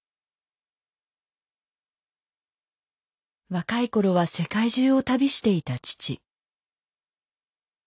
若い頃は世界中を旅していた父。